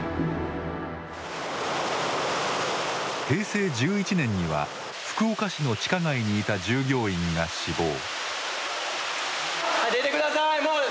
平成１１年には福岡市の地下街にいた従業員が死亡。